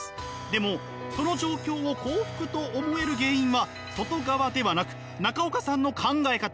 でもその状況を幸福と思える原因は外側ではなく中岡さんの考え方。